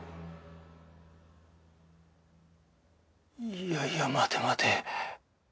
いやいや待て待て。